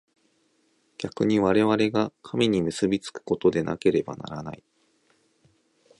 逆に我々が神に結び附くことでなければならない。